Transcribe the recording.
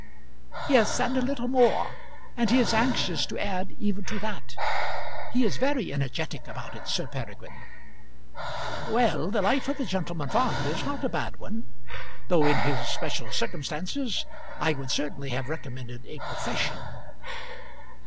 "Yes, and a little more; and he is anxious to add even to that. He is very energetic about it, Sir Peregrine." "Well; the life of a gentleman farmer is not a bad one; though in his special circumstances I would certainly have recommended a profession."